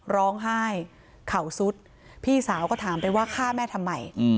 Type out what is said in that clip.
ร้องไห้เข่าซุดพี่สาวก็ถามไปว่าฆ่าแม่ทำไม